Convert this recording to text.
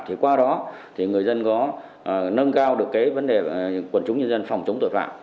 thì qua đó thì người dân có nâng cao được cái vấn đề quần chúng nhân dân phòng chống tội phạm